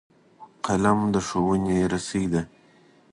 قلم د ښوونې رسۍ ده